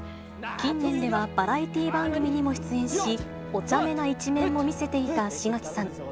近年では、バラエティー番組にも出演し、おちゃめな一面も見せていた志垣さん。